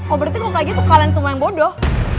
oh berarti kalau kayak gitu kalian semua yang bodoh